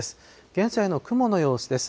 現在の雲の様子です。